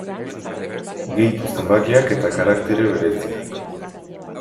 Gehitu zenbakiak eta karaktere bereziak.